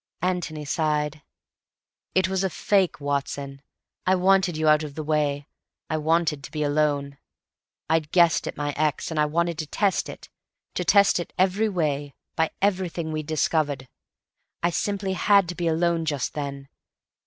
Antony sighed. "It was a fake, Watson. I wanted you out of the way. I wanted to be alone. I'd guessed at my x, and I wanted to test it—to test it every way, by everything we'd discovered. I simply had to be alone just then.